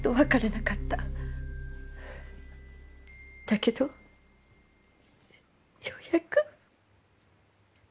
だけどようやく。